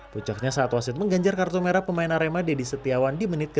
pucatnya saat wasit mengganjar kartu merah pemain arema deddy setiawan di menit ke delapan puluh delapan